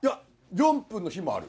４分の日もある。